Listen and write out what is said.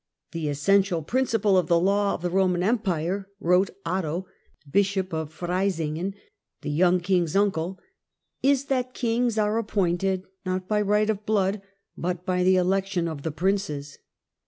"The essential principle of the law of the Eoman Empire," wrote Otto, Bishop of Freisingen, the young king's uncle, "is that kings are appointed, not by right of blood, but by the election of the princes."